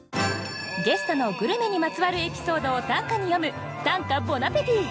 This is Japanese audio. ゲストのグルメにまつわるエピソードを短歌に詠む「短歌ボナペティ」。